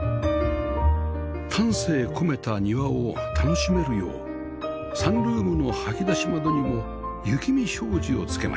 丹精込めた庭を楽しめるようサンルームの掃き出し窓にも雪見障子を付けました